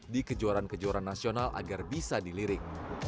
di kejuaraan kejuaraan nasional agar bisa dilirik